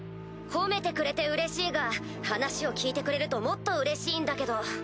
褒めてくれてうれしいが話を聞いてくれるともっとうれしいんだけど。